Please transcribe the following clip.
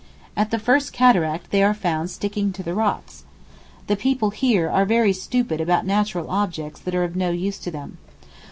At the first Cataract they are found sticking to the rocks. The people here are very stupid about natural objects that are of no use to them.